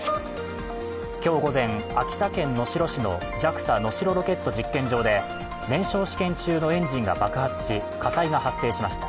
今日午前、秋田県能代市のＪＡＸＡ能代ロケット実験場で燃焼試験中のエンジンが爆発し、火災が発生しました。